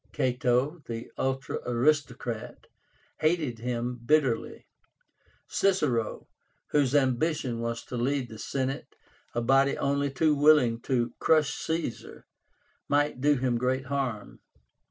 Cato, the ultra aristocrat, hated him bitterly. Cicero, whose ambition was to lead the Senate, a body only too willing to crush Caesar, might do him great harm.